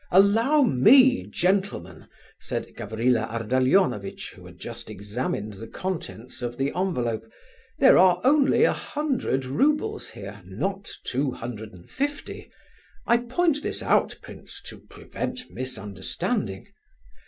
"Allow me, gentlemen," said Gavrila Ardalionovitch, who had just examined the contents of the envelope, "there are only a hundred roubles here, not two hundred and fifty. I point this out, prince, to prevent misunderstanding."